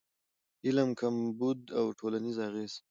علم کمبود او ټولنیز اغېز